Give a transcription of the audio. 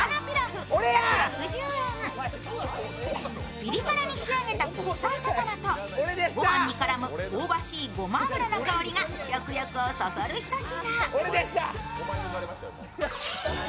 ピリ辛に仕上げた国産高菜とご飯に絡む香ばしいごま油の香りが食欲をそそるひと品。